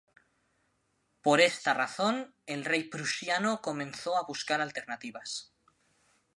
Por esta razón, el rey prusiano comenzó a buscar alternativas.